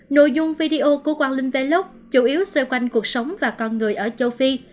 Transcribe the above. nội dung video của quang linh velok chủ yếu xoay quanh cuộc sống và con người ở châu phi